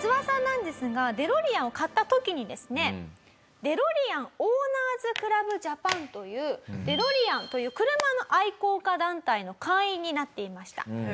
ツワさんなんですがデロリアンを買った時にですねデロリアンオーナーズクラブジャパンというデロリアンという車の愛好家団体の会員になっていました。